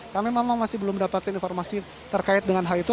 kami memang masih belum mendapatkan informasi terkait dengan hal itu